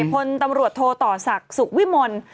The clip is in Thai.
พลตำรวจโทต่อศักดิ์สุขวิมล